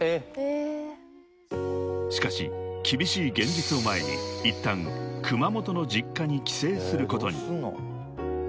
［しかし厳しい現実を前にいったん熊本の実家に帰省することに］